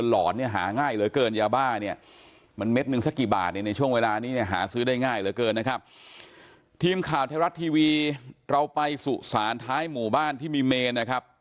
เราไปสู่ศาลท้ายหมู่บ้านที่มีเมนนะครับ